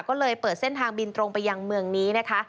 ก็เลยเปิดเส้นทางบินตรงไปยังเมืองนี้นะคะ